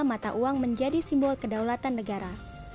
mata uang menjadi simbol kedaulatan negara